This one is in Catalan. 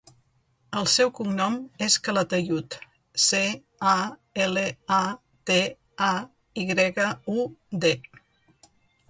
El seu cognom és Calatayud: ce, a, ela, a, te, a, i grega, u, de.